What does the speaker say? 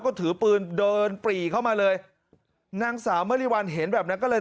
ก็ถือปืนเดินปรีเข้ามาเลยนางสาวมริวัลเห็นแบบนั้นก็เลย